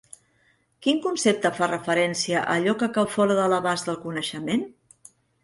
Quin concepte fa referència a allò que cau fora de l'abast del coneixement?